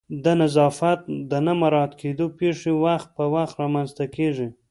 د نظافت د نه مراعت کېدو پیښې وخت په وخت رامنځته کیږي